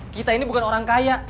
kita ini bukan orang kaya